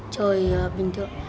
chơi bình thường